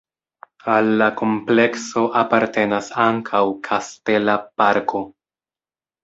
Al la komplekso apartenas ankaŭ kastela parko.